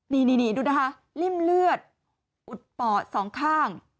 นี่ดูนะคะริ่มเลือดอุดปอดสองข้าง